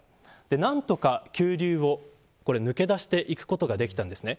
何とか急流を抜け出していくことができたんです。